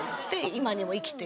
今にも生きてる。